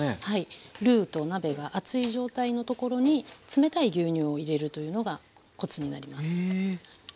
はいルーと鍋が熱い状態のところに冷たい牛乳を入れるというのがコツになります。